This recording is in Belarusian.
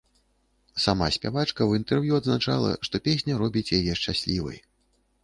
Сама спявачка ў інтэрв'ю адзначала, што песня робіць яе шчаслівай.